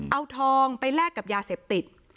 เอาทองไปแลกกับยาเสพติด